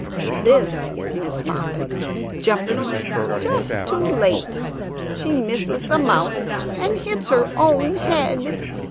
This is Miss Moppet jumping just too late; she misses the Mouse and hits her own head.